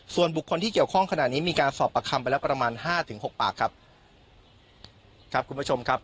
ส่วนบุคคลที่เกี่ยวข้องขณะนี้มีการสอบประคำไปแล้วประมาณห้าถึงหกปากครับครับคุณผู้ชมครับ